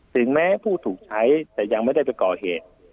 ถึงแม้ผู้ถูกใช้แต่ยังไม่ได้ไปก่อเหตุ